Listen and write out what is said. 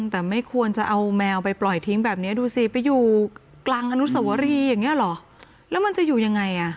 แต่ไม่ควรจะเอาแมวไปปล่อยทิ้งแบบนี้ดูสิไปอยู่กลางอนุสวรีอย่างนี้เหรอแล้วมันจะอยู่ยังไงอ่ะ